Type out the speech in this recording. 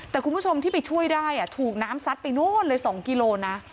แต่คุณผู้ชมที่ไปช่วยได้ถูกน้ำซัดไปโน้นเลย๒กิโลนะ